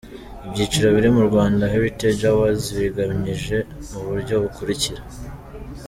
Ibyiciro biri muri Rwandan Heritage Awards bigabanyije mu buryo bukurikira:.